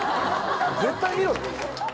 絶対見ろよ。